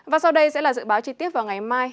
và sau đây sẽ là dự báo chi tiết vào ngày mai